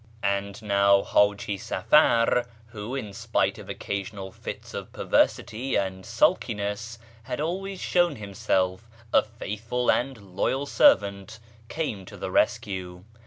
And now Haji Safar, who, in spite of occasional fits of perversity and sulkiness, had always shown himself a faithful and loyal servant, came to the rescue.